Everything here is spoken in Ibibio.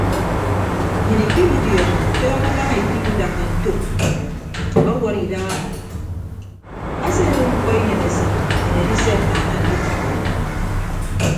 Nnyịn ikidudiọñọ tọñọ naña ikidudakka ntom ọwọd idaha ase ado mkpọ inemesịd nnyịn edise mmaana ndukịtte.